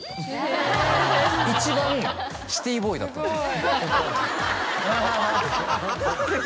一番シティーボーイだったんです。